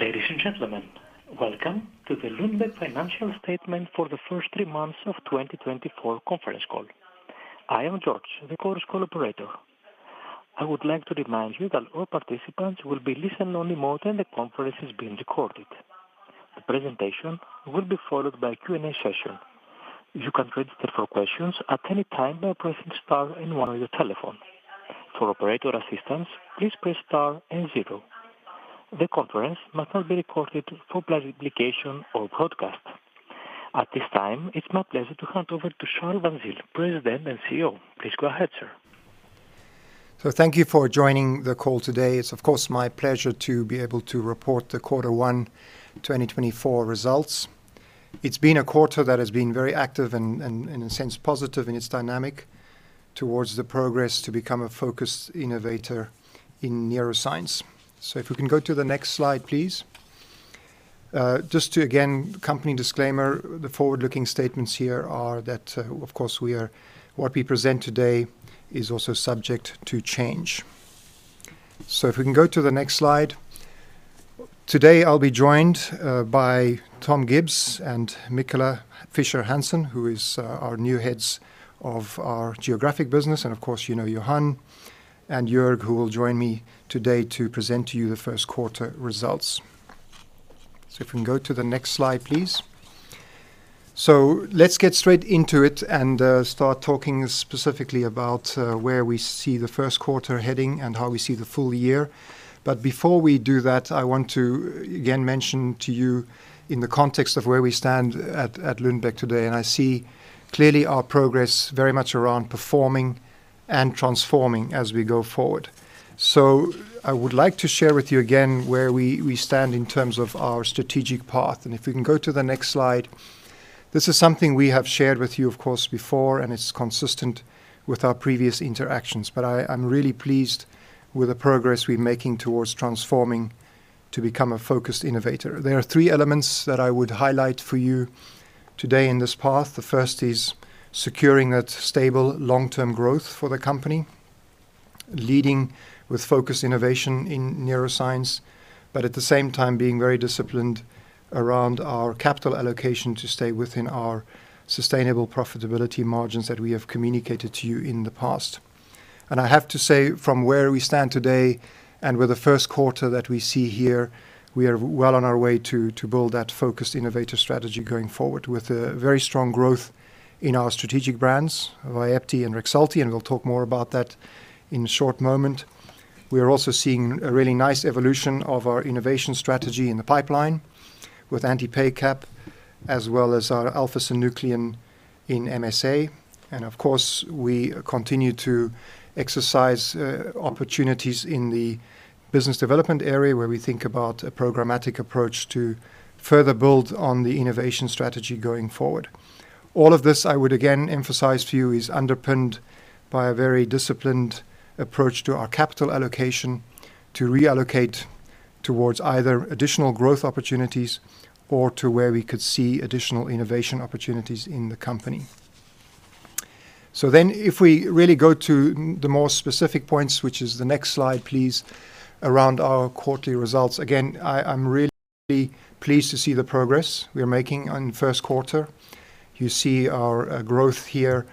Ladies and gentlemen, welcome to the Lundbeck Financial Statement for the first three months of 2024 conference call. I am George, the conference call operator. I would like to remind you that all participants will be in listen-only mode and the conference is being recorded. The presentation will be followed by a Q&A session. You can register for questions at any time by pressing star and one on your telephone. For operator assistance, please press star and zero. The conference must not be recorded for publication or broadcast. At this time, it's my pleasure to hand over to Charl van Zyl, President and CEO. Please go ahead, sir. So thank you for joining the call today. It's, of course, my pleasure to be able to report the Q1 2024 results. It's been a quarter that has been very active and in a sense, positive in its dynamic towards the progress to become a focused innovator in neuroscience. So if we can go to the next slide, please. Just to, again, company disclaimer, the forward-looking statements here are that, of course, what we present today is also subject to change. So if we can go to the next slide. Today, I'll be joined by Tom Gibbs and Michala Fischer-Hansen, who is our new heads of our geographic business, and of course, you know Johan and Jörg, who will join me today to present to you the Q1 results. So if we can go to the next slide, please. So let's get straight into it and start talking specifically about where we see the Q1 heading and how we see the full year. But before we do that, I want to, again, mention to you in the context of where we stand at Lundbeck today, and I see clearly our progress very much around performing and transforming as we go forward. So I would like to share with you again where we stand in terms of our strategic path, and if we can go to the next slide. This is something we have shared with you, of course, before, and it's consistent with our previous interactions, but I'm really pleased with the progress we're making towards transforming to become a focused innovator. There are three elements that I would highlight for you today in this path. The first is securing that stable, long-term growth for the company, leading with focused innovation in neuroscience, but at the same time being very disciplined around our capital allocation to stay within our sustainable profitability margins that we have communicated to you in the past. And I have to say, from where we stand today, and with the Q1 that we see here, we are well on our way to build that focused, innovative strategy going forward with a very strong growth in our strategic brands, Vyepti and Rexulti, and we'll talk more about that in a short moment. We are also seeing a really nice evolution of our innovation strategy in the pipeline with anti-PACAP, as well as our alpha-synuclein in MSA. And of course, we continue to exercise opportunities in the business development area, where we think about a programmatic approach to further build on the innovation strategy going forward. All of this, I would again emphasize to you, is underpinned by a very disciplined approach to our capital allocation to reallocate towards either additional growth opportunities or to where we could see additional innovation opportunities in the company. So then, if we really go to the more specific points, which is the next slide, please, around our quarterly results. Again, I'm really pleased to see the progress we are making on Q1. You see our growth here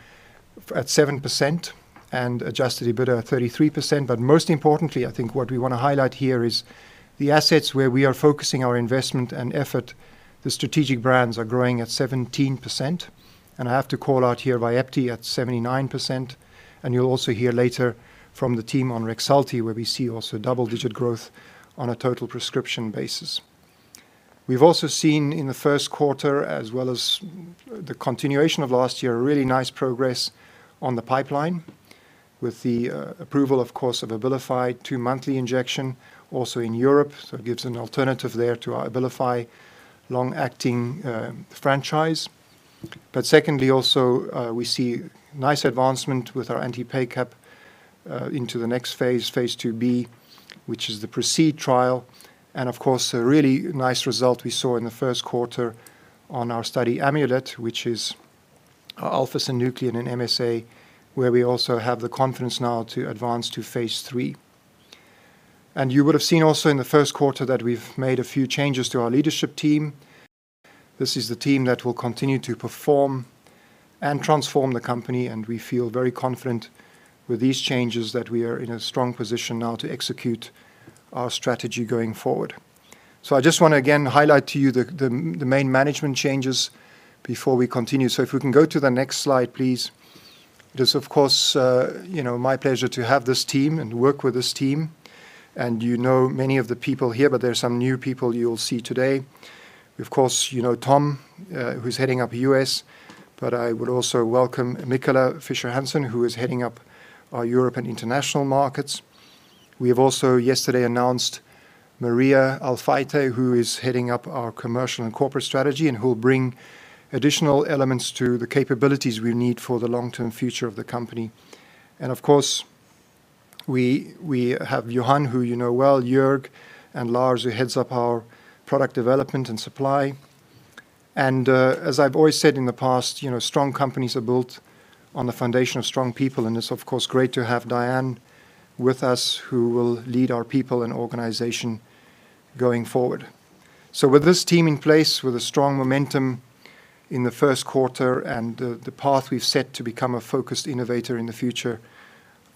at 7% and Adjusted EBITDA, 33%. But most importantly, I think what we want to highlight here is the assets where we are focusing our investment and effort. The strategic brands are growing at 17%, and I have to call out here Vyepti at 79%, and you'll also hear later from the team on Rexulti, where we see also double-digit growth on a total prescription basis. We've also seen in the Q1, as well as the continuation of last year, a really nice progress on the pipeline with the approval, of course, of Abilify 2-monthly injection, also in Europe. So it gives an alternative there to our Abilify long-acting franchise. But secondly, also, we see nice advancement with our anti-PACAP into the next phase, phase IIb, which is the PROCEED trial, and of course, a really nice result we saw in the Q1 on our study AMULET, which is our alpha-synuclein in MSA, where we also have the confidence now to advance to phase III. You would have seen also in the Q1 that we've made a few changes to our leadership team. This is the team that will continue to perform and transform the company, and we feel very confident with these changes that we are in a strong position now to execute our strategy going forward. So I just want to again highlight to you the main management changes before we continue. So if we can go to the next slide, please. It is, of course, you know, my pleasure to have this team and work with this team. And you know many of the people here, but there are some new people you'll see today. Of course, you know Tom, who's heading up U.S., but I would also welcome Michala Fischer-Hansen, who is heading up our Europe and International Markets. We have also yesterday announced Maria Alfaiate, who is heading up our Commercial and Corporate Strategy and who will bring additional elements to the capabilities we need for the long-term future of the company. And of course, we, we have Johan, who you know well, Jörg, and Lars, who heads up our Product Development and Supply. And, as I've always said in the past, you know, strong companies are built on the foundation of strong people, and it's, of course, great to have Dianne with us, who will lead our people and organization going forward. So with this team in place, with a strong momentum in the Q1 and the path we've set to become a focused innovator in the future,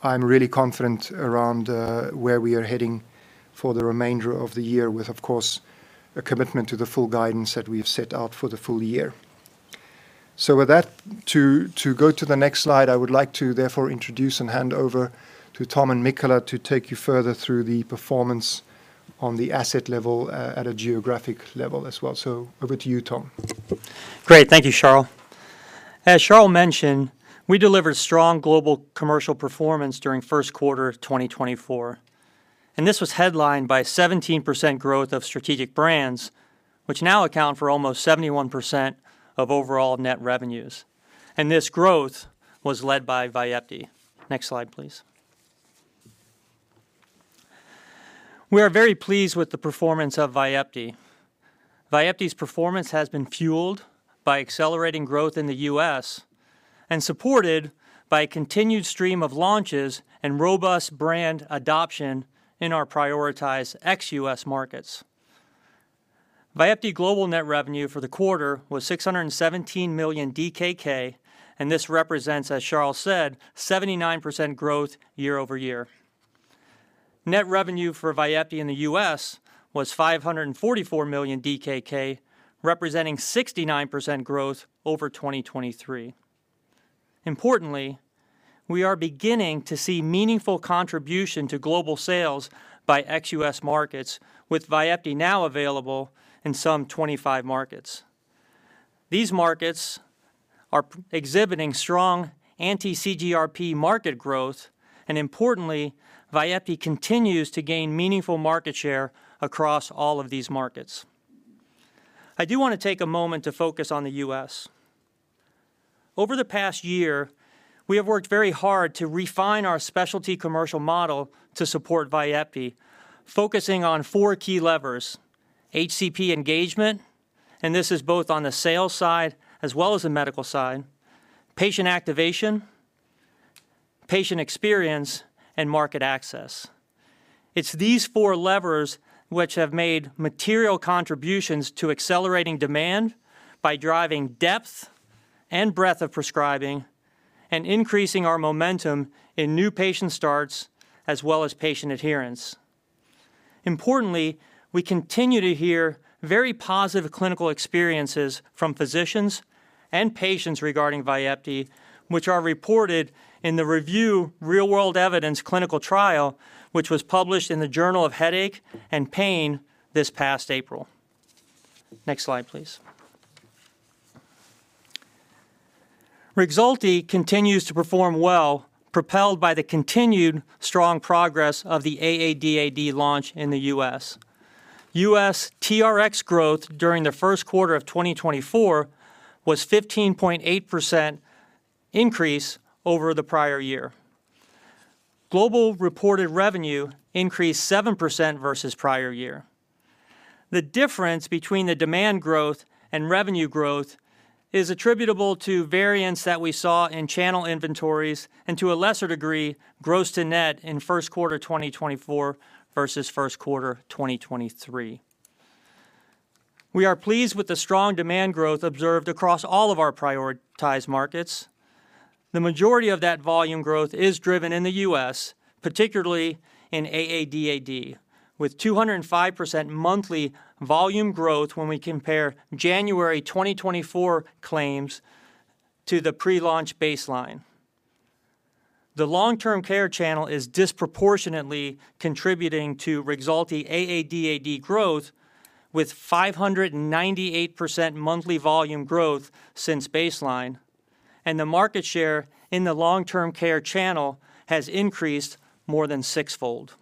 I'm really confident around where we are heading for the remainder of the year, with, of course, a commitment to the full guidance that we've set out for the full year. So with that, to go to the next slide, I would like to therefore introduce and hand over to Tom and Michala to take you further through the performance on the asset level, at a geographic level as well. So over to you, Tom. Great. Thank you, Charl. As Charl mentioned, we delivered strong global commercial performance during Q1 of 2024, and this was headlined by 17% growth of strategic brands, which now account for almost 71% of overall net revenues, and this growth was led by VYEPTI. Next slide, please. We are very pleased with the performance of VYEPTI. VYEPTI's performance has been fueled by accelerating growth in the US and supported by a continued stream of launches and robust brand adoption in our prioritized ex-US markets. VYEPTI global net revenue for the quarter was 617 million DKK, and this represents, as Charl said, 79% growth year-over-year. Net revenue for VYEPTI in the US was 544 million DKK, representing 69% growth over 2023. Importantly, we are beginning to see meaningful contribution to global sales by ex-US markets, with VYEPTI now available in some 25 markets. These markets are exhibiting strong anti-CGRP market growth, and importantly, VYEPTI continues to gain meaningful market share across all of these markets. I do want to take a moment to focus on the US. Over the past year, we have worked very hard to refine our specialty commercial model to support VYEPTI, focusing on four key levers: HCP engagement, and this is both on the sales side as well as the medical side, patient activation, patient experience, and market access. It's these four levers which have made material contributions to accelerating demand by driving depth and breadth of prescribing and increasing our momentum in new patient starts as well as patient adherence. Importantly, we continue to hear very positive clinical experiences from physicians and patients regarding VYEPTI, which are reported in the review Real World Evidence clinical trial, which was published in the Journal of Headache and Pain this past April. Next slide, please. REXULTI continues to perform well, propelled by the continued strong progress of the AADAD launch in the US. US TRX growth during the Q1 of 2024 was 15.8% increase over the prior year. Global reported revenue increased 7% versus prior year. The difference between the demand growth and revenue growth is attributable to variance that we saw in channel inventories and, to a lesser degree, gross to net in Q1 2024 versus Q1 2023. We are pleased with the strong demand growth observed across all of our prioritized markets. The majority of that volume growth is driven in the U.S., particularly in AADAD, with 205% monthly volume growth when we compare January 2024 claims to the pre-launch baseline. The long-term care channel is disproportionately contributing to REXULTI AADAD growth, with 598% monthly volume growth since baseline, and the market share in the long-term care channel has increased more than sixfold.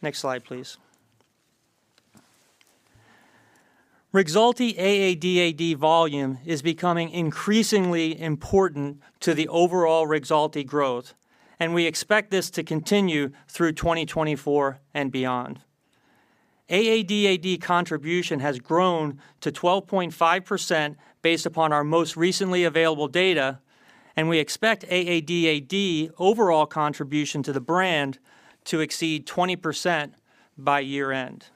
Next slide, please. REXULTI AADAD volume is becoming increasingly important to the overall REXULTI growth, and we expect this to continue through 2024 and beyond. AADAD contribution has grown to 12.5% based upon our most recently available data, and we expect AADAD overall contribution to the brand to exceed 20% by year-end.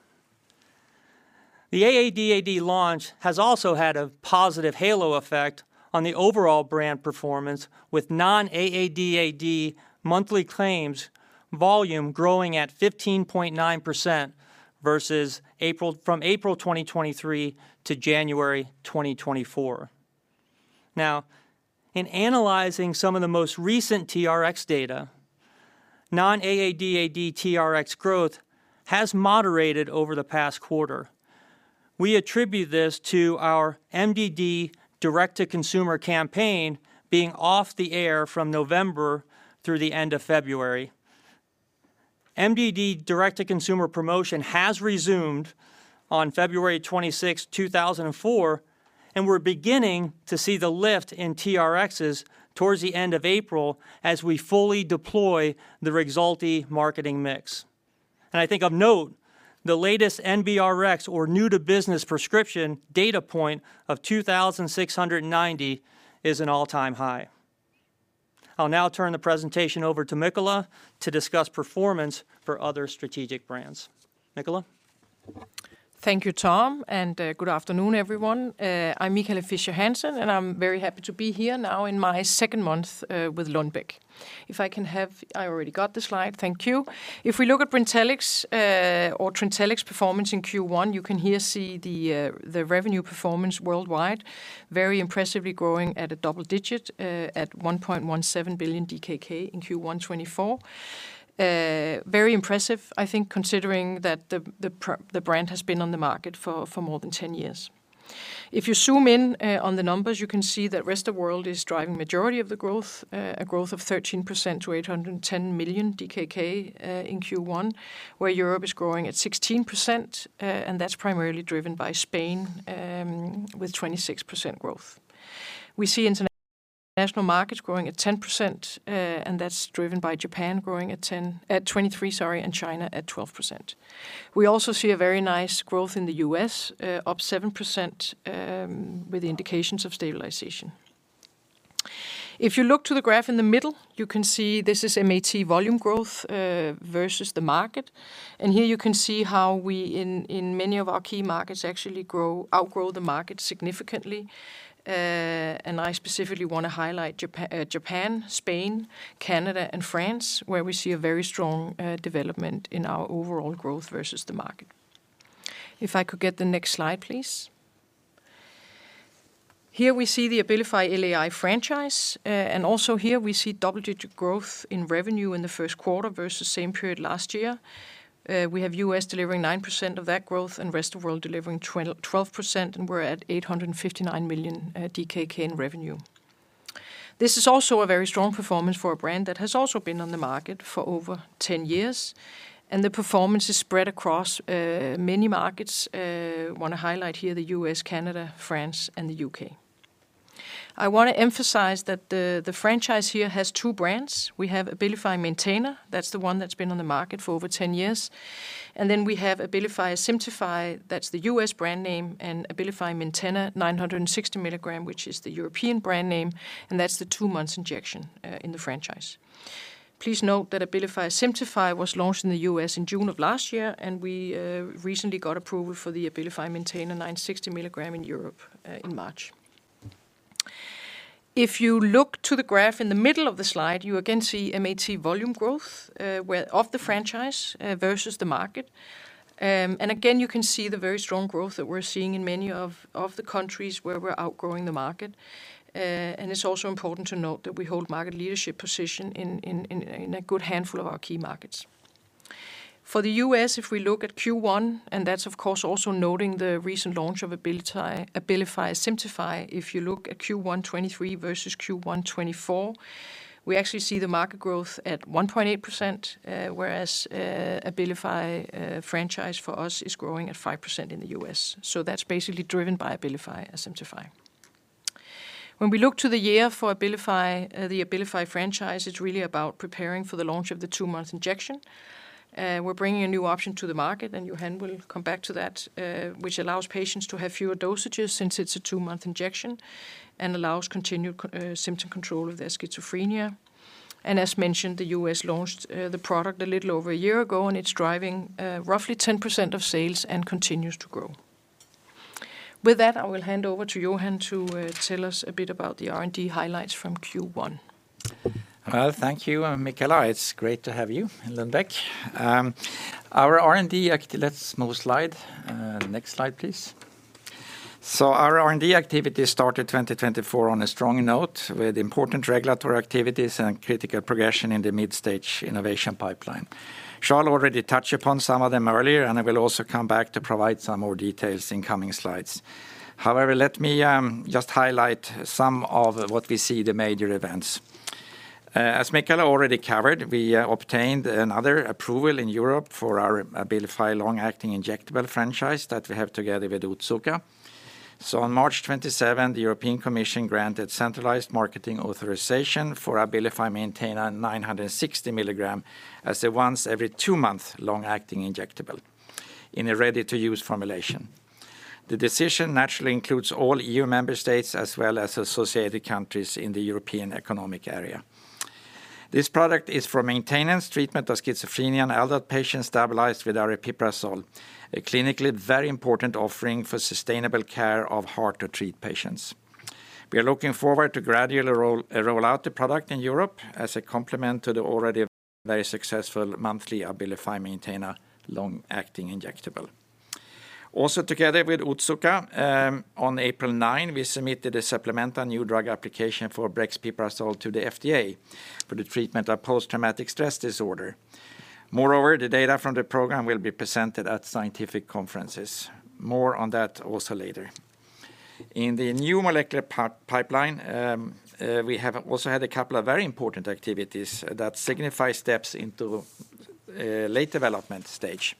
The AADAD launch has also had a positive halo effect on the overall brand performance, with non-AADAD monthly claims volume growing at 15.9% versus April from April 2023 to January 2024. Now, in analyzing some of the most recent TRX data, non-AADAD TRX growth has moderated over the past quarter. We attribute this to our MDD direct-to-consumer campaign being off the air from November through the end of February. MDD direct-to-consumer promotion has resumed on February 26, 2024, and we're beginning to see the lift in TRXs towards the end of April as we fully deploy the REXULTI marketing mix. And I think of note, the latest NBRX or new to brand prescription data point of 2,690 is an all-time high. I'll now turn the presentation over to Michala to discuss performance for other strategic brands. Michala? Thank you, Tom, and, good afternoon, everyone. I'm Michala Fischer-Hansen, and I'm very happy to be here now in my second month, with Lundbeck. If I can have, I already got the slide. Thank you. If we look at Brintellix, or Brintellix performance in Q1, you can here see the, the revenue performance worldwide, very impressively growing at a double digit, at 1.17 billion DKK in Q1 2024. Very impressive, I think, considering that the, the brand has been on the market for, for more than 10 years. If you zoom in on the numbers, you can see that rest of world is driving majority of the growth, a growth of 13% to 810 million DKK in Q1, where Europe is growing at 16%, and that's primarily driven by Spain with 26% growth. We see international markets growing at 10%, and that's driven by Japan growing at 23%, sorry, and China at 12%. We also see a very nice growth in the U.S., up 7%, with the indications of stabilization. If you look to the graph in the middle, you can see this is MAT volume growth versus the market. And here you can see how we in many of our key markets actually outgrow the market significantly. I specifically want to highlight Japan, Spain, Canada, and France, where we see a very strong development in our overall growth versus the market. If I could get the next slide, please. Here we see the Abilify LAI franchise and also here we see double-digit growth in revenue in the Q1 versus same period last year. We have U.S. delivering 9% of that growth and rest of world delivering 12%, and we're at 859 million DKK in revenue. This is also a very strong performance for a brand that has also been on the market for over 10 years, and the performance is spread across many markets. Want to highlight here the U.S., Canada, France, and the U.K. I want to emphasize that the franchise here has two brands. We have Abilify Maintena. That's the one that's been on the market for over 10 years. And then we have Abilify Asimtufii, that's the U.S. brand name, and Abilify Maintena, 960 mg, which is the European brand name, and that's the two-month injection, in the franchise. Please note that Abilify Asimtufii was launched in the U.S. in June of last year, and we, recently got approval for the Abilify Maintena 960 mg in Europe, in March. If you look to the graph in the middle of the slide, you again see MAT volume growth, of the franchise, versus the market. And again, you can see the very strong growth that we're seeing in many of, of the countries where we're outgrowing the market. And it's also important to note that we hold market leadership position in a good handful of our key markets. For the U.S., if we look at Q1, and that's of course also noting the recent launch of Abilify Asimtufii, if you look at Q1 2023 versus Q1 2024, we actually see the market growth at 1.8%, whereas Abilify franchise for us is growing at 5% in the US. So that's basically driven by Abilify Asimtufii. When we look to the year for Abilify, the Abilify franchise, it's really about preparing for the launch of the two-month injection. We're bringing a new option to the market, and Johan will come back to that, which allows patients to have fewer dosages since it's a two-month injection and allows continued symptom control of their schizophrenia. As mentioned, the U.S. launched the product a little over a year ago, and it's driving roughly 10% of sales and continues to grow. With that, I will hand over to Johan to tell us a bit about the R&D highlights from Q1. Well, thank you, Michala. It's great to have you in Lundbeck. Let's move slide. Next slide, please. So our R&D activity started 2024 on a strong note with important regulatory activities and critical progression in the mid-stage innovation pipeline. Charl already touched upon some of them earlier, and I will also come back to provide some more details in coming slides. However, let me just highlight some of what we see the major events. As Michala already covered, we obtained another approval in Europe for our Abilify long-acting injectable franchise that we have together with Otsuka. So on March 27, the European Commission granted centralized marketing authorization for Abilify Maintena 960 mg as a once every two-month long-acting injectable in a ready-to-use formulation. The decision naturally includes all EU member states as well as associated countries in the European Economic Area. This product is for maintenance treatment of schizophrenia in adult patients stabilized with Aripiprazole, a clinically very important offering for sustainable care of hard-to-treat patients. We are looking forward to gradually roll out the product in Europe as a complement to the already very successful monthly Abilify Maintena long-acting injectable. Also, together with Otsuka, on April 9, we submitted a supplemental new drug application for brexpiprazole to the FDA for the treatment of post-traumatic stress disorder. Moreover, the data from the program will be presented at scientific conferences. More on that also later. In the new molecular entity pipeline, we have also had a couple of very important activities that signify steps into late development stage.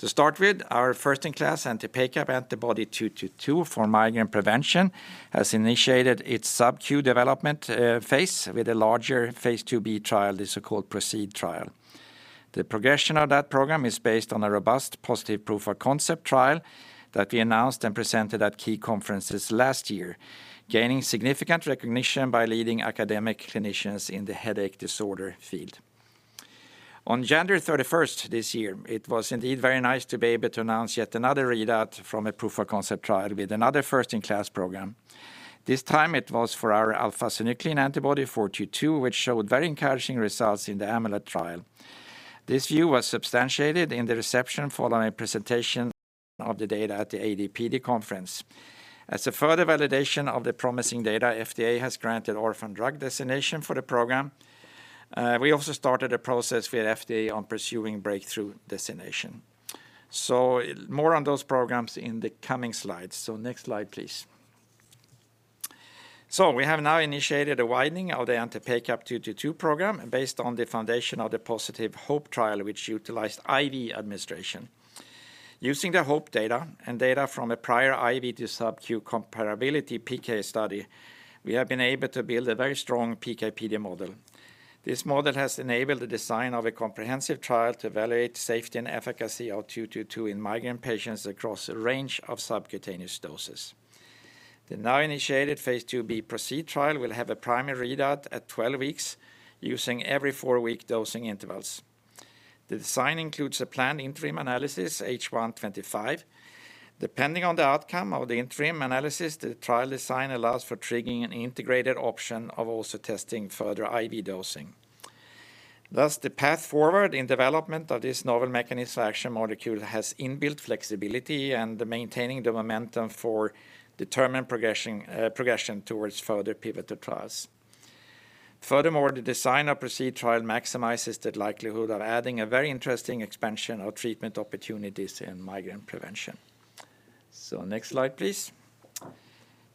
To start with, our first in class anti-PACAP antibody 222 for migraine prevention has initiated its SubQ development phase with a larger phase IIb trial, the so-called PROCEED trial. The progression of that program is based on a robust, positive proof of concept trial that we announced and presented at key conferences last year, gaining significant recognition by leading academic clinicians in the headache disorder field. On January 31st this year, it was indeed very nice to be able to announce yet another readout from a proof of concept trial with another first in class program. This time it was for our alpha-synuclein antibody 422, which showed very encouraging results in the AMULET trial. This view was substantiated in the reception following presentation of the data at the AD/PD conference. As a further validation of the promising data, FDA has granted orphan drug designation for the program. We also started a process with FDA on pursuing breakthrough designation. So more on those programs in the coming slides. So next slide, please. So we have now initiated a widening of the anti-PACAP 222 program based on the foundation of the positive HOPE trial, which utilized IV administration. Using the HOPE data and data from a prior IV to SubQ comparability PK study, we have been able to build a very strong PK, PD model. This model has enabled the design of a comprehensive trial to evaluate safety and efficacy of 222 in migraine patients across a range of subcutaneous doses. The now initiated phase IIb PROCEED trial will have a primary readout at 12 weeks using every 4-week dosing intervals. The design includes a planned interim analysis, H1 2025. Depending on the outcome of the interim analysis, the trial design allows for triggering an integrated option of also testing further IV dosing. Thus, the path forward in development of this novel mechanism action molecule has inbuilt flexibility and maintaining the momentum for determined progression, progression towards further pivotal trials. Furthermore, the design of PROCEED trial maximizes the likelihood of adding a very interesting expansion of treatment opportunities in migraine prevention. So next slide, please.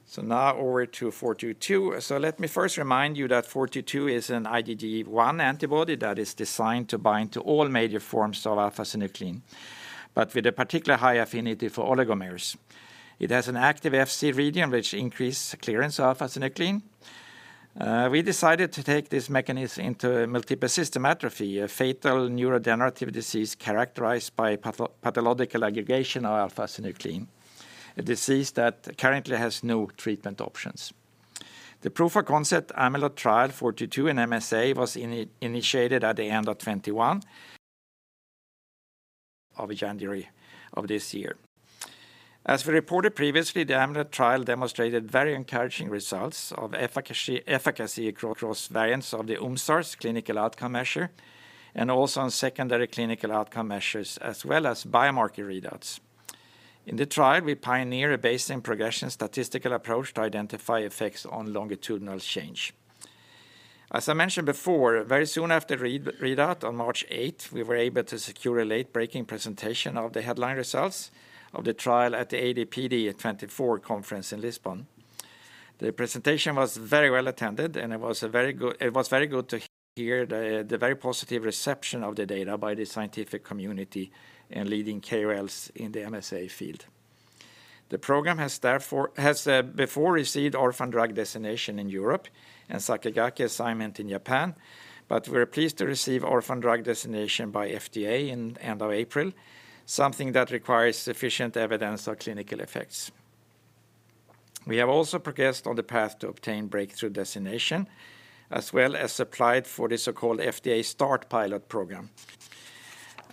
So now over to 422. So let me first remind you that 422 is an IgG1 antibody that is designed to bind to all major forms of alpha-synuclein, but with a particular high affinity for oligomers. It has an active Fc region which increases clearance of alpha-synuclein. We decided to take this mechanism into multiple system atrophy, a fatal neurodegenerative disease characterized by pathological aggregation of alpha-synuclein, a disease that currently has no treatment options. The proof of concept AMULET trial Lu AF82422 in MSA was initiated at the end of 21 of January of this year. As we reported previously, the AMULET trial demonstrated very encouraging results of efficacy across variants of the UMSARS clinical outcome measure, and also on secondary clinical outcome measures, as well as biomarker readouts. In the trial, we pioneered a baseline-in-progression statistical approach to identify effects on longitudinal change. As I mentioned before, very soon after readout on March 8, we were able to secure a late breaking presentation of the headline results of the trial at the AD/PD 2024 conference in Lisbon. The presentation was very well attended, and it was very good to hear the very positive reception of the data by the scientific community and leading KOLs in the MSA field. The program has therefore before received orphan drug designation in Europe and Sakigake assignment in Japan, but we are pleased to receive orphan drug designation by FDA in end of April, something that requires sufficient evidence of clinical effects. We have also progressed on the path to obtain breakthrough designation, as well as applied for the so-called FDA START pilot program.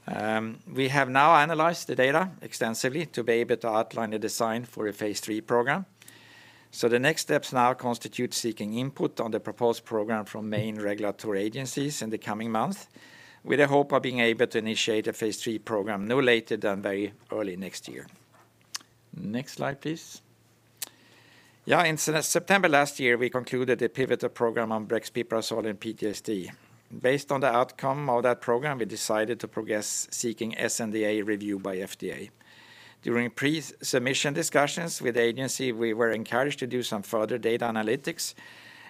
We have now analyzed the data extensively to be able to outline a design for a phase III program. So the next steps now constitute seeking input on the proposed program from main regulatory agencies in the coming month, with a hope of being able to initiate a phase III program no later than very early next year. Next slide, please. Yeah, in September last year, we concluded a pivotal program on brexpiprazole in PTSD. Based on the outcome of that program, we decided to progress seeking SNDA review by FDA. During pre-submission discussions with the agency, we were encouraged to do some further data analytics,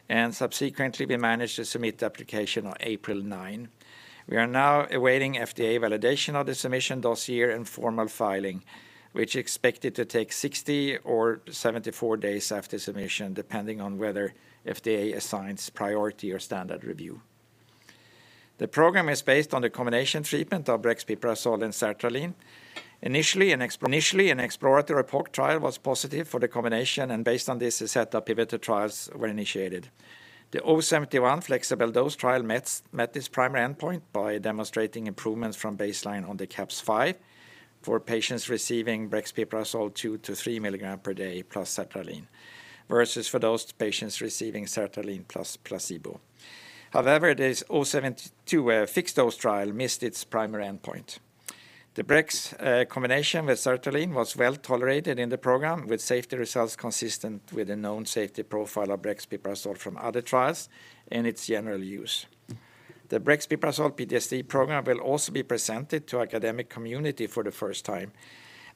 and subsequently, we managed to submit the application on April 9. We are now awaiting FDA validation of the submission dossier and formal filing, which is expected to take 60 or 74 days after submission, depending on whether FDA assigns priority or standard review. The program is based on the combination treatment of brexpiprazole and sertraline. Initially, an exploratory trial was positive for the combination, and based on this, a set of pivotal trials were initiated. The 071 flexible dose trial met its primary endpoint by demonstrating improvements from baseline on the CAPS-5 for patients receiving brexpiprazole 2 milligrams to 3 milligrams per day plus sertraline, versus for those patients receiving sertraline plus placebo. However, the 072 fixed dose trial missed its primary endpoint. The brexpiprazole combination with sertraline was well tolerated in the program, with safety results consistent with the known safety profile of brexpiprazole from other trials and its general use. The brexpiprazole PTSD program will also be presented to academic community for the first time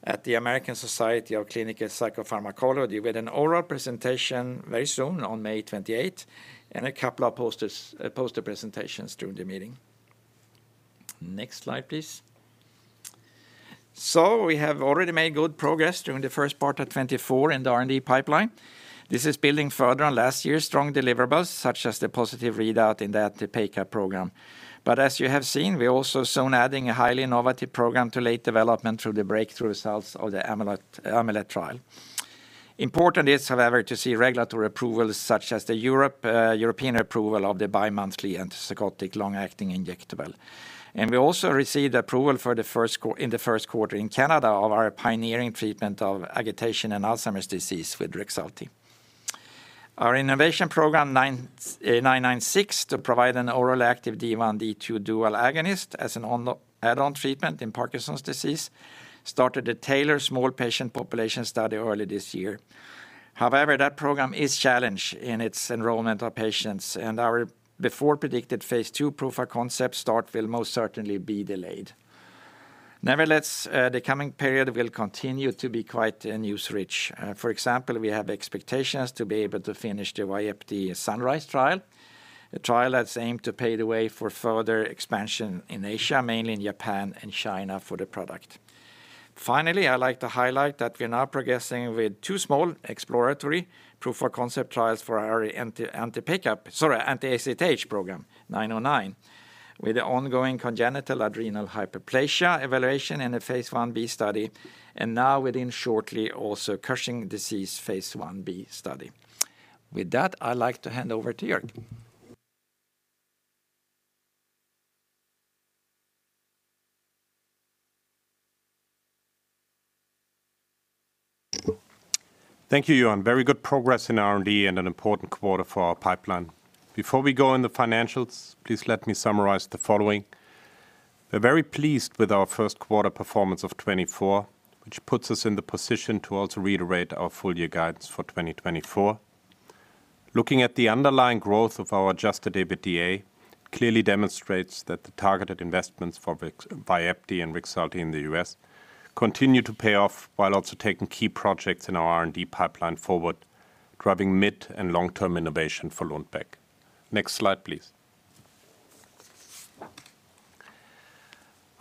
at the American Society of Clinical Psychopharmacology, with an oral presentation very soon, on May 28, and a couple of posters, poster presentations during the meeting. Next slide, please. So we have already made good progress during the first part of 2024 in the R&D pipeline. This is building further on last year's strong deliverables, such as the positive readout in that, the PACAP program. But as you have seen, we're also soon adding a highly innovative program to late development through the breakthrough results of the AMULET trial. Important is, however, to see regulatory approvals, such as the European approval of the bi-monthly antipsychotic long-acting injectable. And we also received approval in the Q1 in Canada of our pioneering treatment of agitation and Alzheimer's disease with Rexulti. Our innovation program 28996, to provide an oral active D1/D2 dual agonist as an add-on treatment in Parkinson's disease, started a tailored small patient population study early this year. However, that program is challenged in its enrollment of patients, and our before predicted phase II proof-of-concept start will most certainly be delayed. Nevertheless, the coming period will continue to be quite a news rich. For example, we have expectations to be able to finish the Vyepti SUNRISE trial. The trial that's aimed to pave the way for further expansion in Asia, mainly in Japan and China, for the product. Finally, I'd like to highlight that we're now progressing with two small exploratory proof-of-concept trials for our anti-ACTH program, 909, with the ongoing congenital adrenal hyperplasia evaluation in a phase I B study, and now within shortly, also Cushing's disease phase I B study. With that, I'd like to hand over to Jörg. Thank you, Johan. Very good progress in R&D and an important quarter for our pipeline. Before we go on the financials, please let me summarize the following: We're very pleased with our Q1 performance of 2024, which puts us in the position to also reiterate our full year guidance for 2024. Looking at the underlying growth of our adjusted EBITDA, clearly demonstrates that the targeted investments for Vyepti and Rexulti in the U.S. continue to pay off, while also taking key projects in our R&D pipeline forward, driving mid and long-term innovation for Lundbeck. Next slide, please.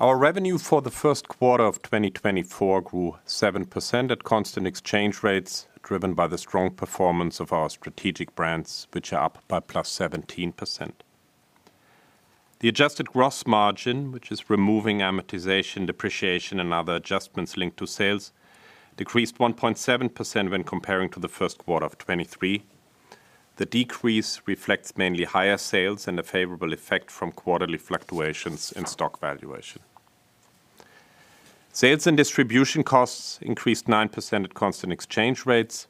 Our revenue for the Q1 of 2024 grew 7% at constant exchange rates, driven by the strong performance of our strategic brands, which are up by +17%. The adjusted gross margin, which is removing amortization, depreciation, and other adjustments linked to sales, decreased 1.7% when comparing to the Q1 of 2023. The decrease reflects mainly higher sales and a favorable effect from quarterly fluctuations in stock valuation. Sales and distribution costs increased 9% at constant exchange rates,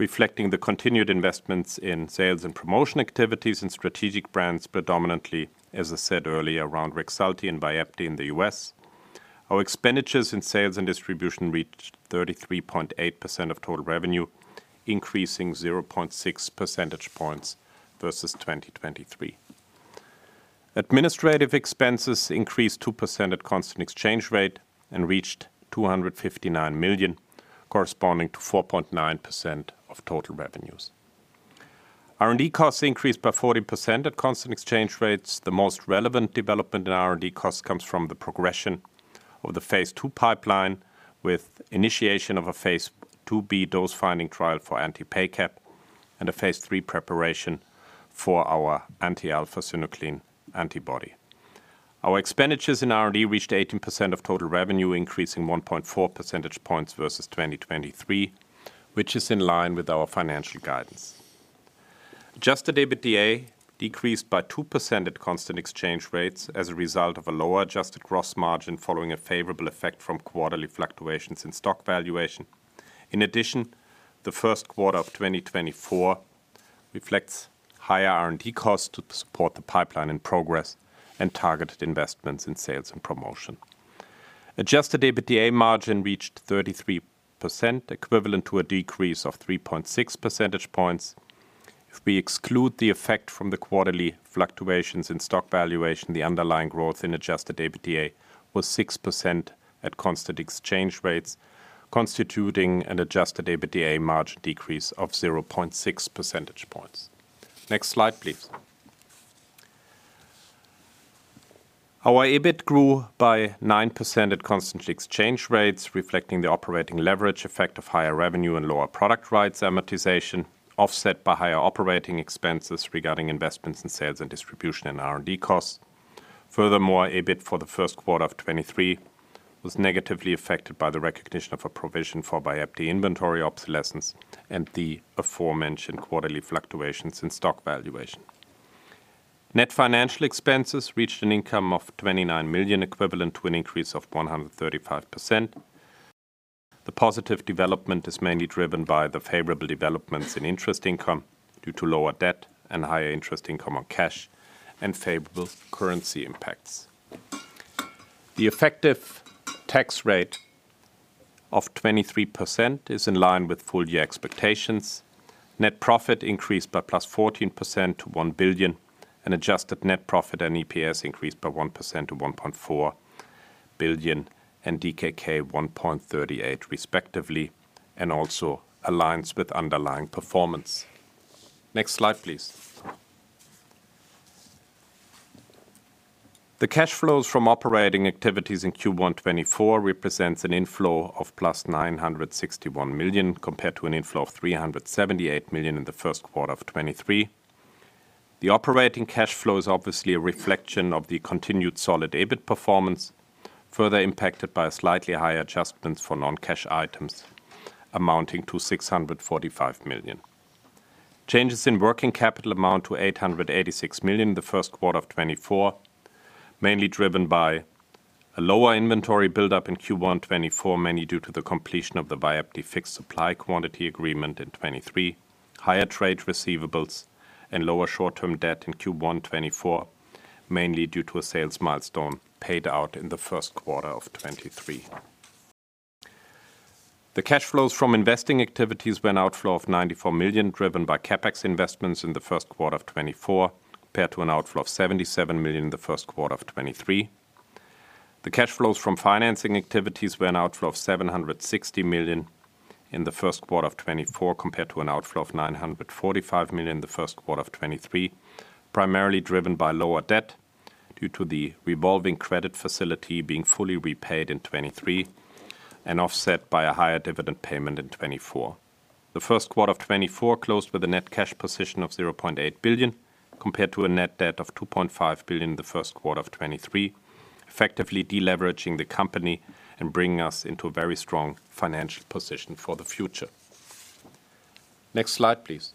reflecting the continued investments in sales and promotion activities in strategic brands, predominantly, as I said earlier, around Rexulti and Vyepti in the US. Our expenditures in sales and distribution reached 33.8% of total revenue, increasing 0.6 percentage points versus 2023. Administrative expenses increased 2% at constant exchange rate and reached 259 million, corresponding to 4.9% of total revenues. R&D costs increased by 40% at constant exchange rates. The most relevant development in R&D costs comes from the progression of the phase II pipeline, with initiation of a phase II B dose-finding trial for anti-PACAP and a phase III preparation for our anti-alpha-synuclein antibody. Our expenditures in R&D reached 18% of total revenue, increasing 1.4 percentage points versus 2023, which is in line with our financial guidance. Adjusted EBITDA decreased by 2% at constant exchange rates as a result of a lower adjusted gross margin, following a favorable effect from quarterly fluctuations in stock valuation. In addition, the Q1 of 2024 reflects higher R&D costs to support the pipeline and progress and targeted investments in sales and promotion. Adjusted EBITDA margin reached 33%, equivalent to a decrease of 3.6 percentage points. If we exclude the effect from the quarterly fluctuations in stock valuation, the underlying growth in Adjusted EBITDA was 6% at constant exchange rates, constituting an Adjusted EBITDA margin decrease of 0.6 percentage points. Next slide, please. Our EBIT grew by 9% at constant exchange rates, reflecting the operating leverage effect of higher revenue and lower product rights amortization, offset by higher operating expenses regarding investments in sales and distribution and R&D costs. Furthermore, EBIT for the Q1 of 2023 was negatively affected by the recognition of a provision for Vyepti inventory obsolescence and the aforementioned quarterly fluctuations in stock valuation. Net financial expenses reached an income of 29 million, equivalent to an increase of 135%. The positive development is mainly driven by the favorable developments in interest income due to lower debt and higher interest income on cash and favorable currency impacts. The effective tax rate of 23% is in line with full year expectations. Net profit increased by +14% to 1 billion, and adjusted net profit and EPS increased by 1% to 1.4 billion and DKK 1.38 respectively, and also aligns with underlying performance. Next slide, please. The cash flows from operating activities in Q1 2024 represents an inflow of +961 million, compared to an inflow of 378 million in the Q1 of 2023. The operating cash flow is obviously a reflection of the continued solid EBIT performance, further impacted by slightly higher adjustments for non-cash items amounting to 645 million. Changes in working capital amount to 886 million in the Q1 of 2024, mainly driven by a lower inventory buildup in Q1 2024, mainly due to the completion of the VYEPTI fixed supply quantity agreement in 2023. Higher trade receivables and lower short-term debt in Q1 2024, mainly due to a sales milestone paid out in the Q1 of 2023. The cash flows from investing activities were an outflow of 94 million, driven by CapEx investments in the Q1 of 2024, compared to an outflow of 77 million in the Q1 of 2023. The cash flows from financing activities were an outflow of 760 million in the Q1 of 2024, compared to an outflow of 945 million in the Q1 of 2023, primarily driven by lower debt due to the revolving credit facility being fully repaid in 2023 and offset by a higher dividend payment in 2024. The Q1 of 2024 closed with a net cash position of 0.8 billion, compared to a net debt of 2.5 billion in the Q1 of 2023, effectively deleveraging the company and bringing us into a very strong financial position for the future. Next slide, please.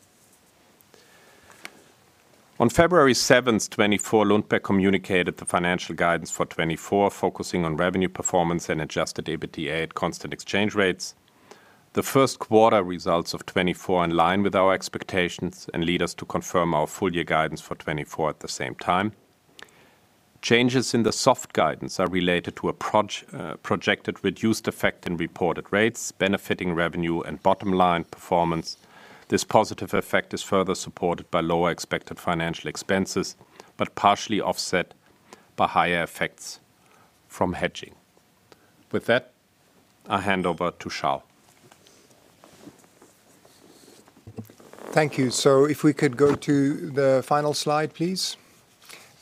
On February 7, 2024, Lundbeck communicated the financial guidance for 2024, focusing on revenue performance and adjusted EBITDA at constant exchange rates. The Q1 results of 2024 in line with our expectations and lead us to confirm our full year guidance for 2024 at the same time. Changes in the soft guidance are related to a projected reduced effect in reported rates, benefiting revenue and bottom line performance. This positive effect is further supported by lower expected financial expenses, but partially offset by higher effects from hedging. With that, I hand over to Charl. Thank you. So if we could go to the final slide, please.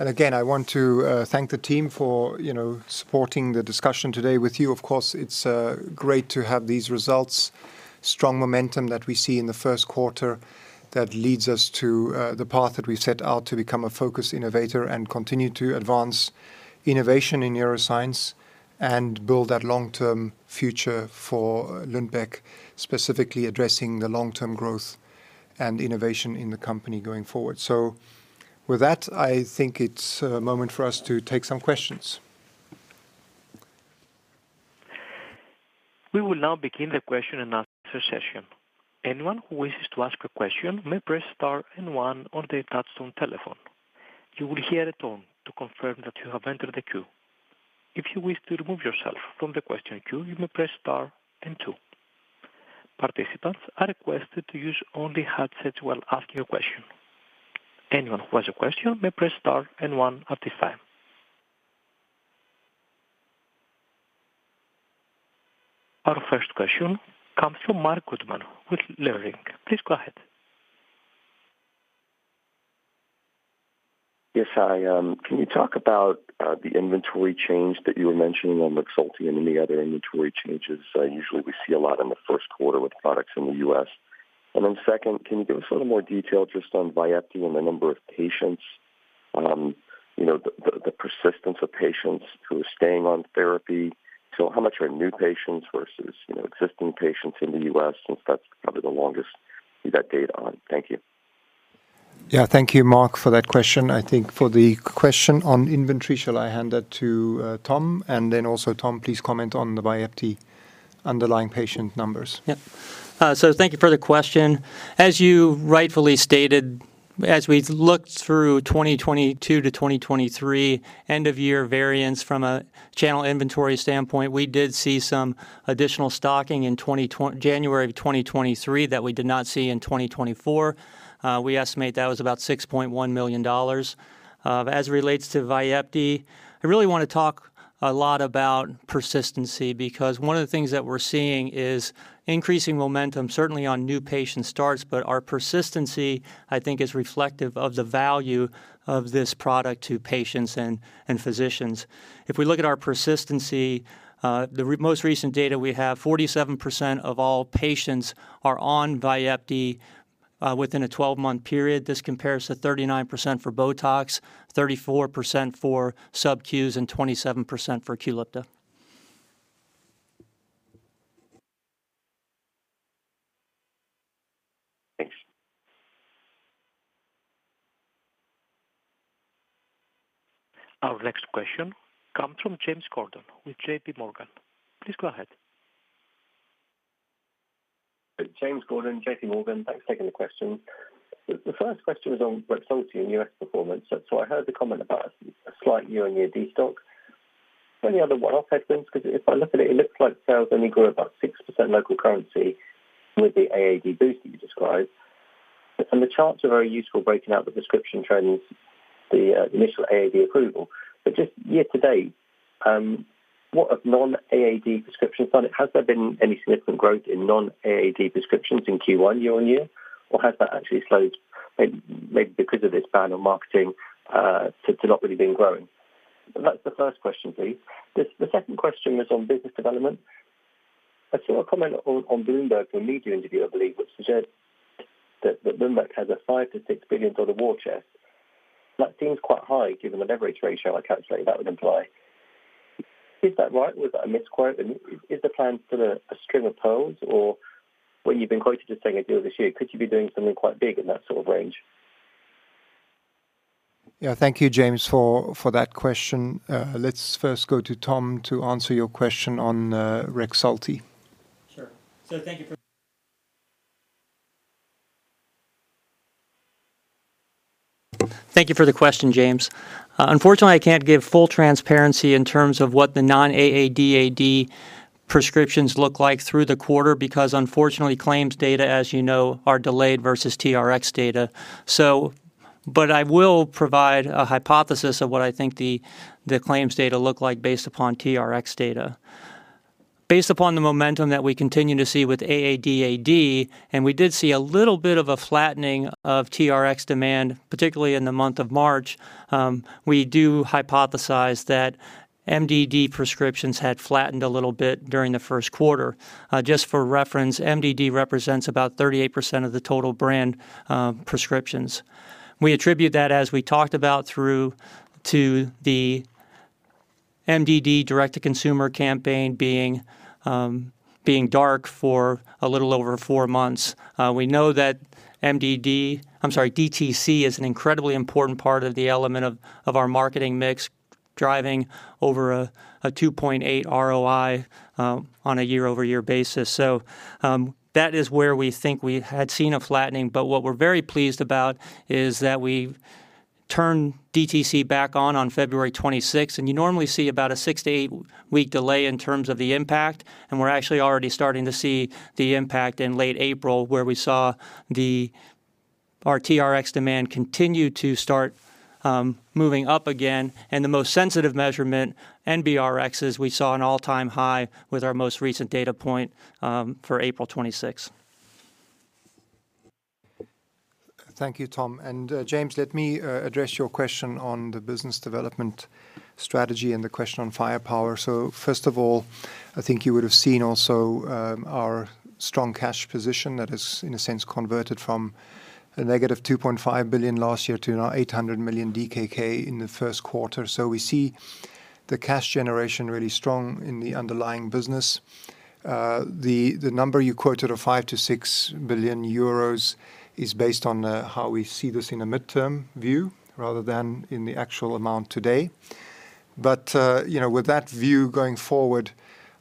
And again, I want to thank the team for, you know, supporting the discussion today with you. Of course, it's great to have these results. Strong momentum that we see in the Q1 that leads us to the path that we set out to become a focused innovator and continue to advance innovation in neuroscience and build that long-term future for Lundbeck, specifically addressing the long-term growth and innovation in the company going forward. So with that, I think it's a moment for us to take some questions. We will now begin the Q&A session. Anyone who wishes to ask a question may press star and one on the attached telephone. You will hear a tone to confirm that you have entered the queue. If you wish to remove yourself from the question queue, you may press star and two. Participants are requested to use only headsets while asking a question. Anyone who has a question may press star and one at this time. Our first question comes from Marc Goodman with Leerink. Please go ahead. Yes, I... Can you talk about the inventory change that you were mentioning on Rexulti and any other inventory changes? Usually, we see a lot in the Q1 with products in the US. And then second, can you give us a little more detail just on VYEPTI and the number of patients, you know, the persistence of patients who are staying on therapy? So how much are new patients versus, you know, existing patients in the US, since that's probably the longest you've had data on? Thank you. Yeah. Thank you, Marc, for that question. I think for the question on inventory, shall I hand that to, Tom? And then also, Tom, please comment on the VYEPTI underlying patient numbers. Yeah. So thank you for the question. As you rightfully stated, as we've looked through 2022 to 2023 end-of-year variance from a channel inventory standpoint, we did see some additional stocking in January of 2023 that we did not see in 2024. We estimate that was about $6.1 million. As it relates to VYEPTI, I really want to talk a lot about persistency, because one of the things that we're seeing is increasing momentum, certainly on new patient starts, but our persistency, I think, is reflective of the value of this product to patients and, and physicians. If we look at our persistency, the most recent data we have, 47% of all patients are on VYEPTI within a twelve-month period. This compares to 39% for Botox, 34% for SubQs, and 27% for Qulipta. Thanks. Our next question comes from James Cordon with JP Morgan. Please go ahead. James Cordon, JP Morgan. Thanks for taking the question. The first question is on Rexulti and US performance. So I heard the comment about a slight year-on-year destock. Any other one-off headwinds? Because if I look at it, it looks like sales only grew about 6% local currency with the AAD boost that you described. And the charts are very useful, breaking out the prescription trends, the initial AAD approval. But just year to date, what of non-AAD prescriptions on it? Has there been any significant growth in non-AAD prescriptions in Q1 year-on-year, or has that actually slowed, maybe because of this ban on marketing to not really being growing? That's the first question, please. The second question was on business development. I saw a comment on Bloomberg, from a media interview, I believe, which said that Lundbeck has a $5 billion to 6 billion war chest. That seems quite high, given the leverage ratio I calculate that would imply. Is that right? Was that a misquote, and is the plan still a string of pearls, or when you've been quoted as saying a deal this year, could you be doing something quite big in that sort of range? Yeah, thank you, James, for that question. Let's first go to Tom to answer your question on Rexulti. Sure. So thank you for the question, James. Unfortunately, I can't give full transparency in terms of what the non-AADAD prescriptions look like through the quarter, because unfortunately, claims data, as you know, are delayed versus TRX data. So. But I will provide a hypothesis of what I think the claims data look like based upon TRX data. Based upon the momentum that we continue to see with AADAD, and we did see a little bit of a flattening of TRX demand, particularly in the month of March, we do hypothesize that MDD prescriptions had flattened a little bit during the Q1. Just for reference, MDD represents about 38% of the total brand prescriptions. We attribute that, as we talked about through, to the MDD direct-to-consumer campaign being dark for a little over four months. We know that DTC is an incredibly important part of the element of our marketing mix, driving over a 2.8 ROI on a year-over-year basis. So, that is where we think we had seen a flattening, but what we're very pleased about is that we've turned DTC back on February 26th, and you normally see about a 6 to 8-week delay in terms of the impact, and we're actually already starting to see the impact in late April, where we saw our TRX demand continue to start moving up again, and the most sensitive measurement, NBRXs, we saw an all-time high with our most recent data point for April twenty-sixth. Thank you, Tom. And, James, let me address your question on the business development strategy and the question on firepower. So first of all, I think you would have seen also our strong cash position that has, in a sense, converted from a negative 2.5 billion last year to now 800 million DKK in the Q1. So we see the cash generation really strong in the underlying business. The, the number you quoted of 5 billion to 6 billion is based on how we see this in a midterm view rather than in the actual amount today. But, you know, with that view going forward,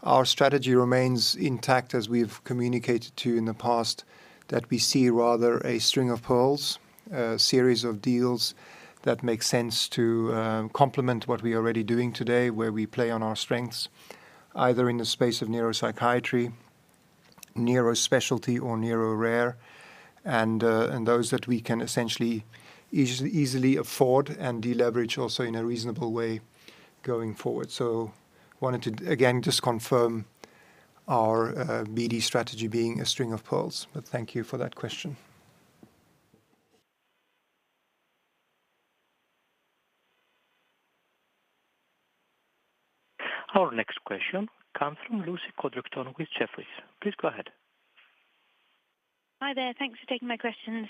our strategy remains intact, as we've communicated to you in the past, that we see rather a string of pearls, a series of deals that make sense to complement what we are already doing today, where we play on our strengths, either in the space of Neuropsychiatry, Neurospecialty, or Neurorare, and those that we can essentially easily afford and deleverage also in a reasonable way going forward. So I wanted to, again, just confirm our BD strategy being a string of pearls, but thank you for that question. Our next question comes from Lucy Codrington with Jefferies. Please go ahead. Hi there. Thanks for taking my questions.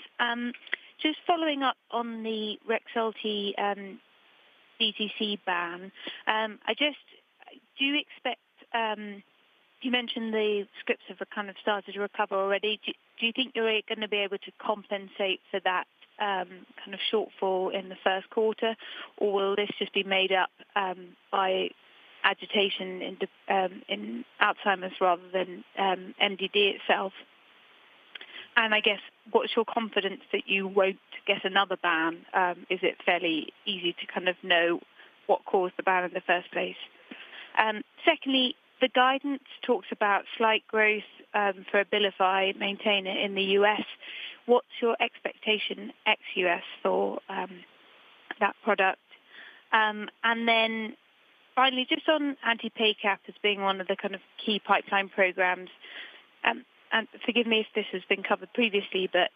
Just following up on the Rexulti, DTC ban, I just, do you expect, you mentioned the scripts have, kind of, started to recover already. Do you think you're gonna be able to compensate for that, kind of, shortfall in the Q1, or will this just be made up, by agitation in Alzheimer's rather than, MDD itself? And I guess, what's your confidence that you won't get another ban? Is it fairly easy to kind of know what caused the ban in the first place? Secondly, the guidance talks about slight growth, for Abilify Maintena in the U.S. What's your expectation ex-US for, that product? and then finally, just on anti-PACAP as being one of the kind of key pipeline programs, and forgive me if this has been covered previously, but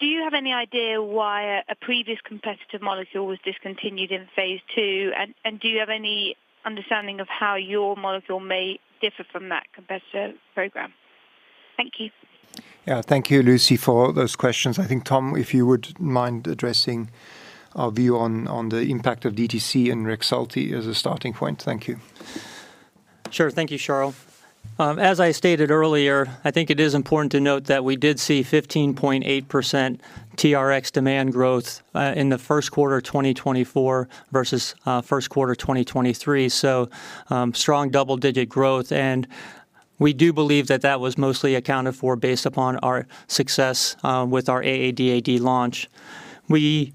do you have any idea why a previous competitive molecule was discontinued in phase II? And do you have any understanding of how your molecule may differ from that competitive program? Thank you. Yeah. Thank you, Lucy, for those questions. I think, Tom, if you would mind addressing our view on, on the impact of DTC and Rexulti as a starting point. Thank you. Sure. Thank you, Charl. As I stated earlier, I think it is important to note that we did see 15.8% TRX demand growth in the Q1 of 2024 versus Q1 of 2023. So, strong double-digit growth, and we do believe that that was mostly accounted for based upon our success with our AADAD launch. We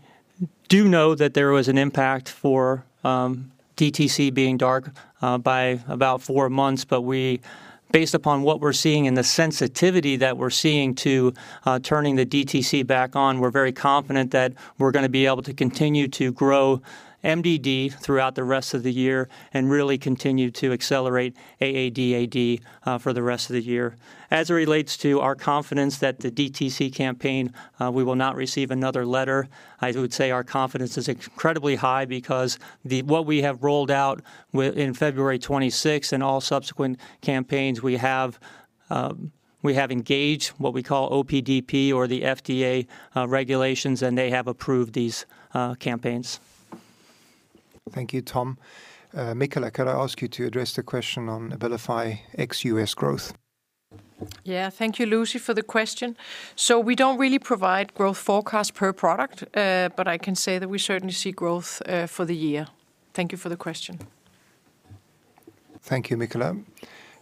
do know that there was an impact for DTC being dark by about four months, but based upon what we're seeing and the sensitivity that we're seeing to turning the DTC back on, we're very confident that we're gonna be able to continue to grow MDD throughout the rest of the year and really continue to accelerate AADAD for the rest of the year. As it relates to our confidence that the DTC campaign, we will not receive another letter, I would say our confidence is incredibly high because what we have rolled out in February 26th and all subsequent campaigns, we have, we have engaged what we call OPDP or the FDA regulations, and they have approved these campaigns. Thank you, Tom. Michala, could I ask you to address the question on Abilify ex-US growth? Yeah. Thank you, Lucy, for the question. So we don't really provide growth forecast per product, but I can say that we certainly see growth for the year. Thank you for the question. Thank you, Michala.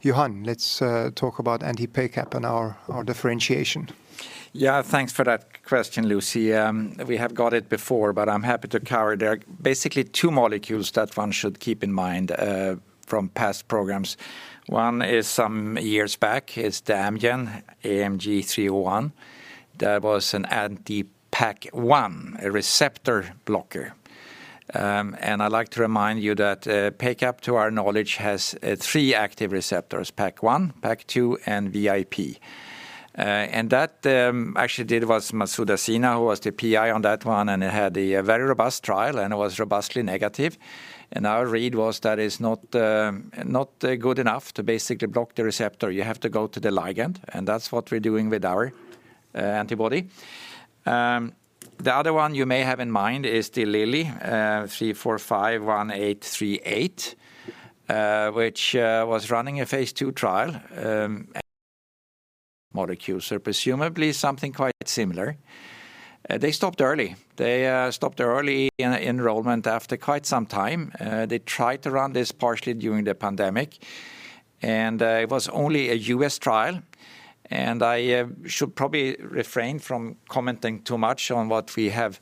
Johan, let's talk about anti-PACAP and our, our differentiation. Yeah, thanks for that question, Lucy. We have got it before, but I'm happy to cover. There are basically two molecules that one should keep in mind from past programs. One is some years back, is the Amgen AMG 301. That was an anti-PAC1 receptor blocker. And I'd like to remind you that PACAP, to our knowledge, has three active receptors: PAC1, PAC2, and VIP. And that actually did was Messoud Ashina, who was the PI on that one, and it had a very robust trial, and it was robustly negative. And our read was that it's not good enough to basically block the receptor. You have to go to the ligand, and that's what we're doing with our antibody. The other one you may have in mind is the Lilly LY3451838, which was running a phase II trial molecule. So presumably something quite similar. They stopped early. They stopped early in enrollment after quite some time. They tried to run this partially during the pandemic, and it was only a U.S. trial, and I should probably refrain from commenting too much on what we have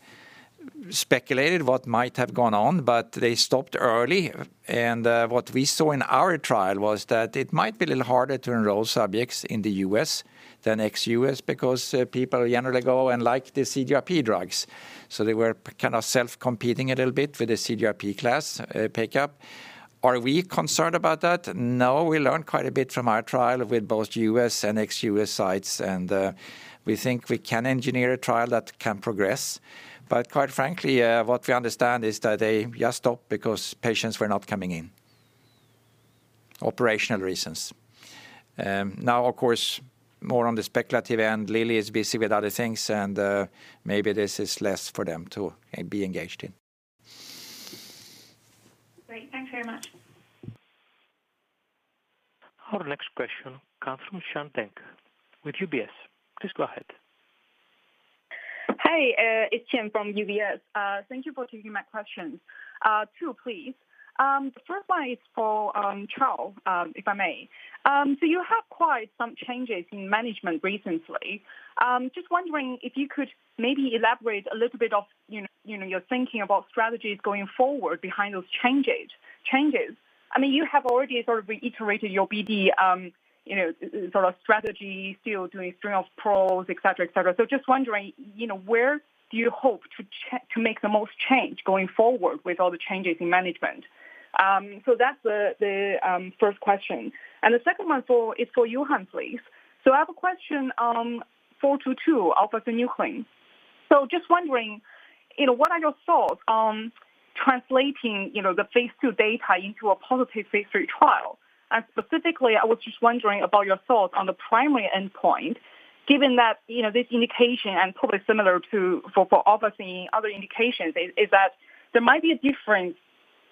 speculated what might have gone on, but they stopped early. What we saw in our trial was that it might be a little harder to enroll subjects in the U.S. than ex-U.S. because people generally go and like the CGRP drugs. So they were kind of self-competing a little bit with the CGRP class, PACAP. Are we concerned about that? No, we learned quite a bit from our trial with both U.S. and ex-U.S. sites, and we think we can engineer a trial that can progress. But quite frankly, what we understand is that they just stopped because patients were not coming in. Operational reasons. Now, of course, more on the speculative end, Lilly is busy with other things, and maybe this is less for them to be engaged in. Great. Thanks very much. Our next question comes from Xian Deng with UBS. Please go ahead. Hi, it's Xian from UBS. Thank you for taking my questions. Two, please. The first one is for Charl, if I may. So you have quite some changes in management recently. Just wondering if you could maybe elaborate a little bit of, you know, your thinking about strategies going forward behind those changes, changes. I mean, you have already sort of reiterated your BD, you know, sort of strategy, still doing stream of pros, et cetera, et cetera. So just wondering, you know, where do you hope to make the most change going forward with all the changes in management? So that's the first question. And the second one is for Johan, please. So I have a question on Lu AF82422, alpha-synuclein. So just wondering, you know, what are your thoughts on translating, you know, the phase II data into a positive phase III trial? And specifically, I was just wondering about your thoughts on the primary endpoint, given that, you know, this indication, and probably similar to for obviously other indications, is that there might be a difference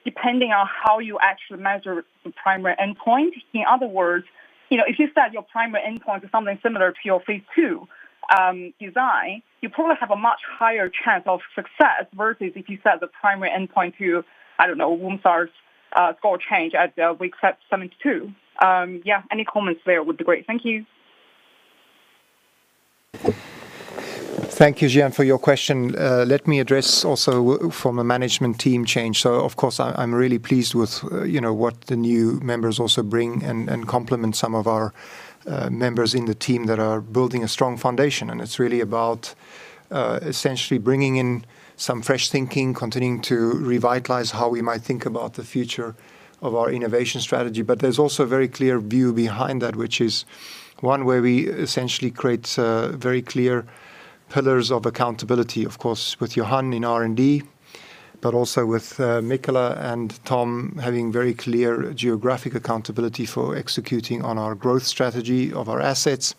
depending on how you actually measure the primary endpoint. In other words, you know, if you set your primary endpoint to something similar to your phase II design, you probably have a much higher chance of success versus if you set the primary endpoint to, I don't know, UMSARS score change as we accept 72. Yeah, any comments there would be great. Thank you. Thank you, Xian, for your question. Let me address also from a management team change. So of course, I'm really pleased with, you know, what the new members also bring and complement some of our members in the team that are building a strong foundation. And it's really about, essentially bringing in some fresh thinking, continuing to revitalize how we might think about the future of our innovation strategy. But there's also a very clear view behind that, which is one where we essentially create, very clear pillars of accountability, of course, with Johan in R&D, but also with, Michala and Tom having very clear geographic accountability for executing on our growth strategy of our assets....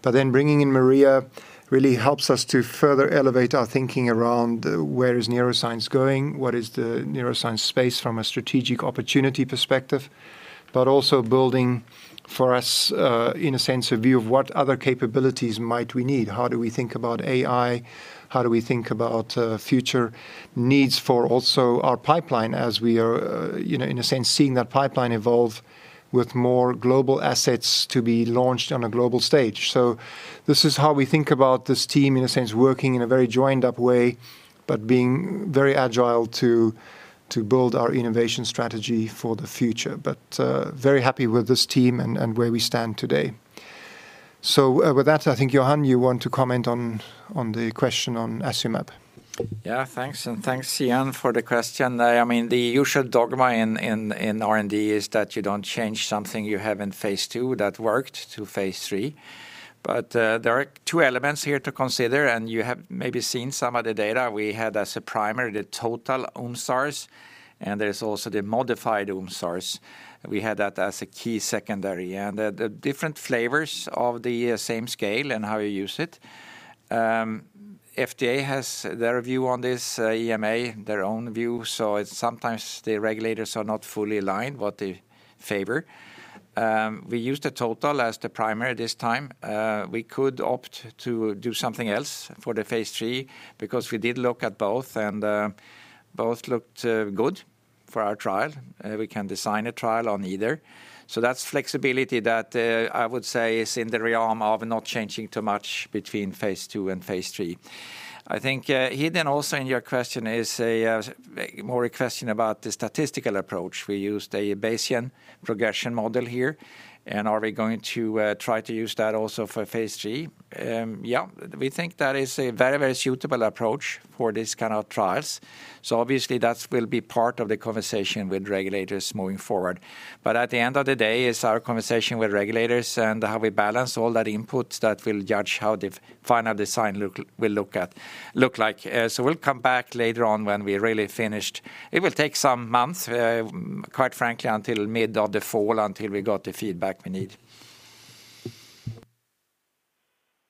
But then bringing in Maria really helps us to further elevate our thinking around where is neuroscience going? What is the neuroscience space from a strategic opportunity perspective? But also building for us, in a sense, a view of what other capabilities might we need. How do we think about AI? How do we think about future needs for also our pipeline as we are, you know, in a sense, seeing that pipeline evolve with more global assets to be launched on a global stage. So this is how we think about this team, in a sense, working in a very joined up way, but being very agile to build our innovation strategy for the future. But very happy with this team and where we stand today. So, with that, I think, Johan, you want to comment on the question on Asimtufii. Yeah, thanks, and thanks, Yann, for the question. I mean, the usual dogma in R&D is that you don't change something you have in phase II that worked to phase III. But, there are two elements here to consider, and you have maybe seen some of the data we had as a primary, the total UMSARS, and there's also the modified UMSARS. We had that as a key secondary, and the different flavors of the same scale and how you use it. FDA has their view on this, EMA, their own view, so it's sometimes the regulators are not fully aligned what they favor. We used the total as the primary this time. We could opt to do something else for the phase III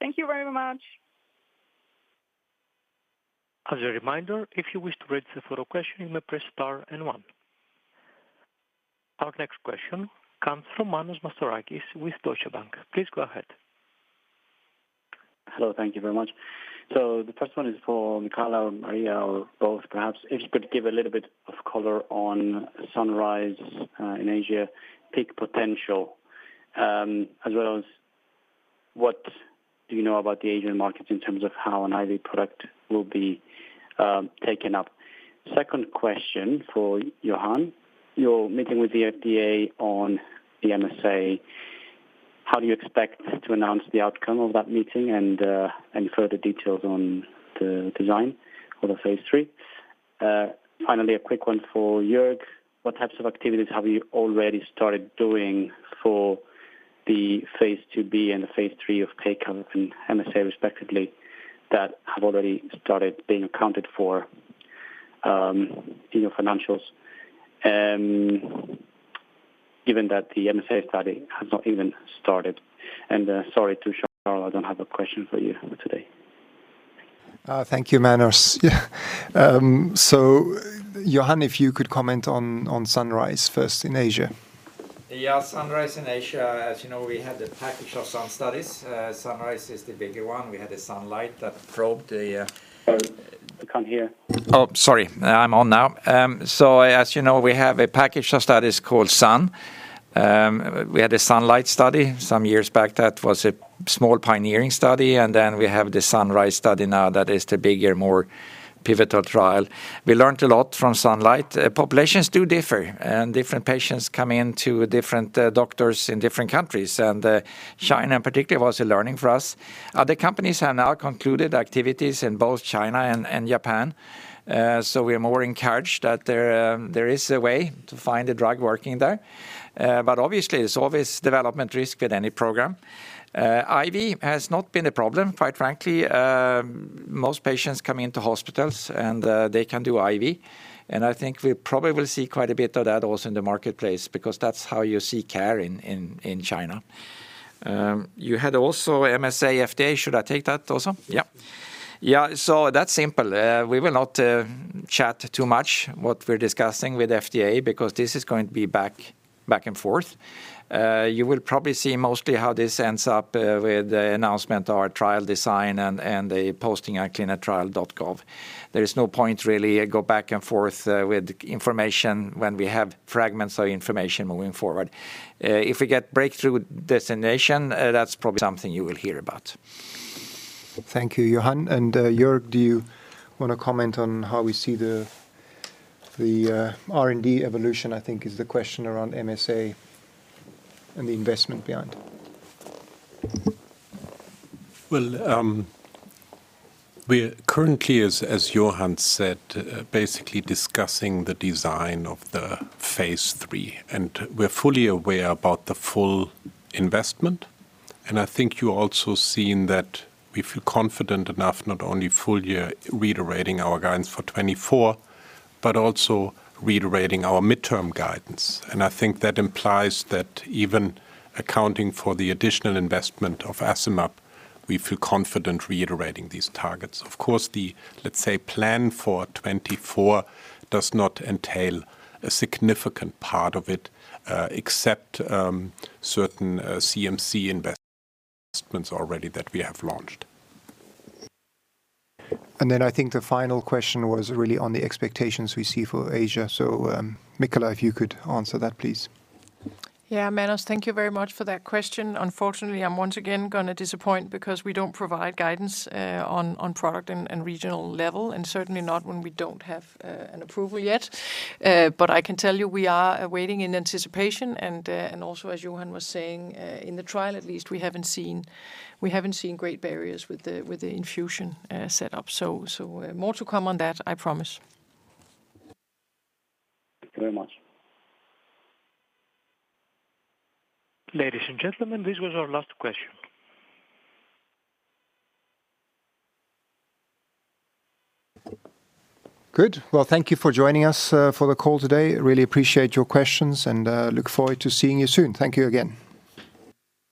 Thank you very much. As a reminder, if you wish to raise the following question, you may press star and one. Our next question comes from Manos Mastrojakis with Deutsche Bank. Please go ahead. Hello, thank you very much. So the first one is for Michala or Maria, or both perhaps. If you could give a little bit of color on SUNRISE in Asia, peak potential, as well as what do you know about the Asian markets in terms of how an IV product will be taken up? Second question for Johan. You're meeting with the FDA on the MSA. How do you expect to announce the outcome of that meeting, and any further details on the design for the phase III? Finally, a quick one for Jörg. What types of activities have you already started doing for the phase IIb and the phase III of amlenetug for MSA, respectively, that have already started being accounted for in your financials? Given that the MSA study has not even started. Sorry to Charl, I don't have a question for you today. Thank you, Manos. So Johan, if you could comment on SUNRISE first in Asia. Yeah, SUNRISE in Asia, as you know, we had a package of some studies. SUNRISE is the bigger one. We had a SUNLIGHT that probed the, Sorry, I can't hear. Oh, sorry. I'm on now. So as you know, we have a package of studies called SUN. We had a SUNLIGHT study some years back, that was a small pioneering study, and then we have the SUNRISE study now that is the bigger, more pivotal trial. We learned a lot from SUNLIGHT. Populations do differ, and different patients come in to different, doctors in different countries, and, China in particular, was a learning for us. Other companies have now concluded activities in both China and, and Japan. So we are more encouraged that there, there is a way to find a drug working there. But obviously, there's always development risk with any program. IV has not been a problem, quite frankly. Most patients come into hospitals, and, they can do IV. I think we probably will see quite a bit of that also in the marketplace because that's how you seek care in China. You had also MSA, FDA. Should I take that also? Yeah. Yeah, so that's simple. We will not chat too much what we're discussing with FDA, because this is going to be back and forth. You will probably see mostly how this ends up with the announcement or trial design and a posting on ClinicalTrials.gov. There is no point to really go back and forth with information when we have fragments of information moving forward. If we get breakthrough designation, that's probably something you will hear about. Thank you, Johan. And, Jörg, do you want to comment on how we see the R&D evolution? I think is the question around MSA and the investment behind. Well, we're currently, as Johan said, basically discussing the design of the phase III, and we're fully aware about the full investment. I think you also seen that we feel confident enough, not only full year reiterating our guidance for 2024, but also reiterating our midterm guidance. I think that implies that even accounting for the additional investment of Amlenetug, we feel confident reiterating these targets. Of course, the, let's say, plan for 2024 does not entail a significant part of it, except certain CMC investments already that we have launched. Then I think the final question was really on the expectations we see for Asia. So, Michala, if you could answer that, please. Yeah, Manos, thank you very much for that question. Unfortunately, I'm once again going to disappoint because we don't provide guidance on product and regional level, and certainly not when we don't have an approval yet. But I can tell you we are awaiting in anticipation, and also, as Johan was saying, in the trial at least, we haven't seen great barriers with the infusion set up. So, more to come on that, I promise. Thank you very much. Ladies and gentlemen, this was our last question. Good. Well, thank you for joining us for the call today. Really appreciate your questions, and look forward to seeing you soon. Thank you again.